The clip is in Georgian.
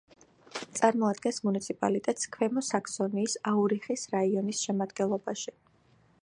წარმოადგენს მუნიციპალიტეტს ქვემო საქსონიის აურიხის რაიონის შემადგენლობაში.